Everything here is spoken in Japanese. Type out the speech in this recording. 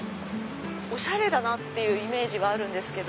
おしゃれだなっていうイメージはあるんですけど。